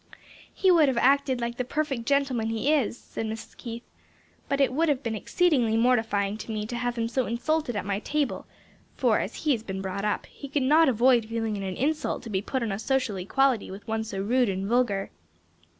"He would have acted like the perfect gentleman he is," said Mrs. Keith, "but it would have been exceedingly mortifying to me to have him so insulted at my table; for as he has been brought up, he could not avoid feeling it an insult to be put on a social equality with one so rude and vulgar."